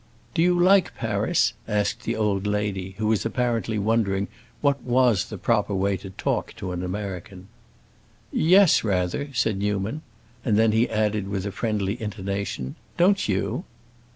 "Do you like Paris?" asked the old lady, who was apparently wondering what was the proper way to talk to an American. "Yes, rather," said Newman. And then he added with a friendly intonation, "Don't you?"